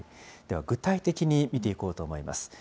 では具体的に見ていこうと思います。